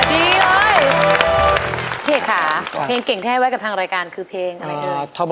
ดีเลยพี่เอกค่ะเพลงเก่งที่ให้ไว้กับทางรายการคือเพลงอะไรคะ